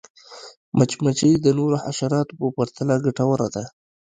مچمچۍ د نورو حشراتو په پرتله ګټوره ده